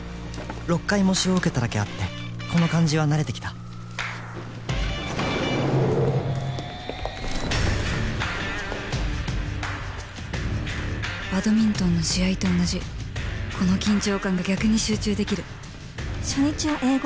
６回模試を受けただけあってこの感じは慣れてきたバドミントンの試合と同じこの緊張感が逆に集中できる初日は英語